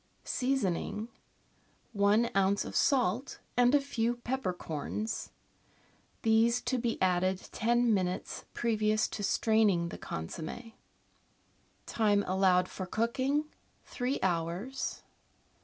Seasoning. — One oz. of salt and a few peppercorns, these to be added ten minutes previous to straining the consomm^. Time allowed for cooking. — Three hours.